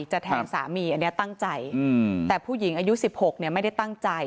จะแทงสามีอันนี้ตั้งใจแต่ผู้หญิงอายุ๑๖เนี่ยไม่ได้ตั้งใจ